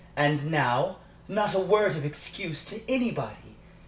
And now, not a word of excuse to anybody.